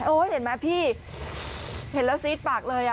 เห็นไหมพี่เห็นแล้วซีดปากเลย